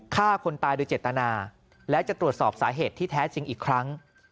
ฆ่าคนตายโดยเจตนาและจะตรวจสอบสาเหตุที่แท้จริงอีกครั้ง